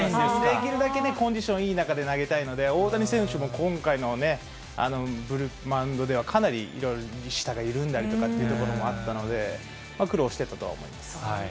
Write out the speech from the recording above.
できるだけコンディションいい中で投げたいので、大谷選手も今回のマウンドでは、かなりいろいろ、下が緩んだりとかもあったので、苦労してたと思います。